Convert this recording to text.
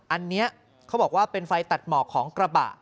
อันนี้เขาบอกว่าเป็นไฟตัดหมอกของกระบะ